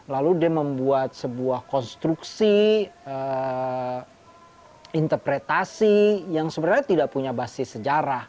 lalu dia membuat sebuah konstruksi interpretasi yang sebenarnya tidak punya basis sejarah